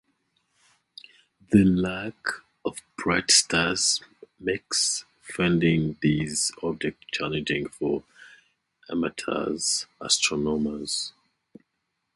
The lack of bright stars makes finding these objects challenging for amateur astronomers.